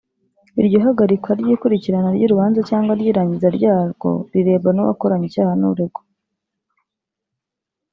Iryo hagarika ry’ikurikirana ry’urubanza cyangwa ry’irangiza ryarwo bireba n’uwakoranye icyaha n’uregwa